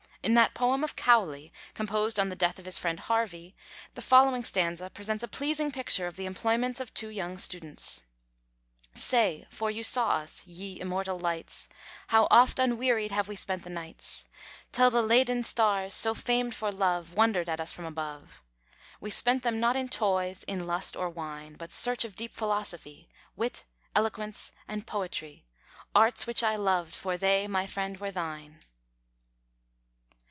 In that poem of Cowley, composed on the death of his friend Harvey, the following stanza presents a pleasing picture of the employments of two young students: Say, for you saw us, ye immortal lights, How oft unwearied have we spent the nights! Till the LedÃḊan stars, so famed for love, Wondered at us from above. We spent them not in toys, in lust, or wine, But search of deep philosophy, Wit, eloquence, and poetry, Arts which I loved, for they, my friend, were thine.